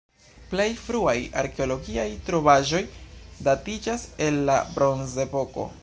Plej fruaj arkeologiaj trovaĵoj datiĝas el la bronzepoko.